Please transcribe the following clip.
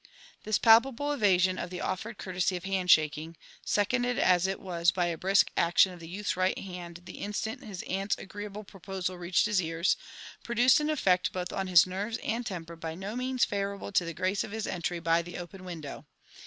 This ]^lpabl9 evasion of the <^ered courtesy of hand^shaking, se ^ oonded as it was by a brisk action of the youlb's right hand the insiant his aunt's agreeable proposal reached his ears, produced an eifect both 00 his oeryes and iemper by no means favourable to the grace of his entry by the open wipdow.